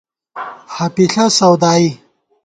ہَپِݪہ سَودائی